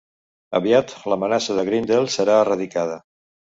Aviat l'amenaça de Grendel serà eradicada.